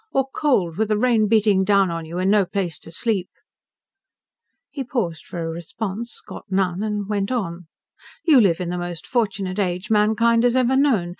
Or cold, with the rain beating down on you, and no place to sleep?" He paused for a response, got none and went on. "You live in the most fortunate age mankind has ever known.